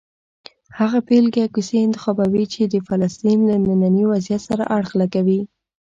هغه بېلګې او کیسې انتخابوي چې د فلسطین له ننني وضعیت سره اړخ لګوي.